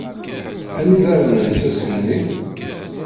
Anida ara nens ass-nni?